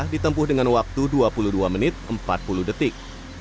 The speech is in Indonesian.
ditempuh dengan waktu dua puluh dua menit empat puluh detik